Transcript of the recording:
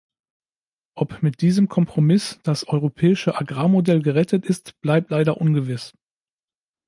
Ob mit diesem Kompromiss das europäische Agrarmodell gerettet ist, bleibt leider ungewiss.